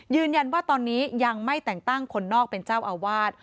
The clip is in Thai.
ยืนยันว่าตอนนี้ยังไม่แต่งตั้งคนนอกเป็นเจ้าอาวาส